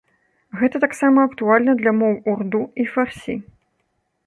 Гэта таксама актуальна для моў урду і фарсі.